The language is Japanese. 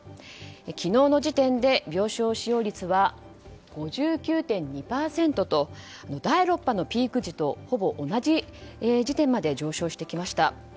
昨日の時点で病床使用率は５９．２％と第６波のピーク時とほぼ同じ時点まで上昇してきました。